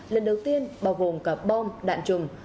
lần đầu tiên bao gồm cả bom đạn trùm